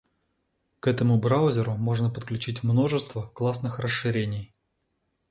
К этому браузеру можно подключить множество классных расширений.